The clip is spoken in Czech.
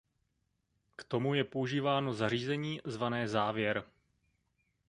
K tomu je používáno zařízení zvané závěr.